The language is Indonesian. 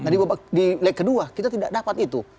nah di leg kedua kita tidak dapat itu